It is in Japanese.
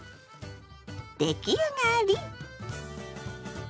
出来上がり！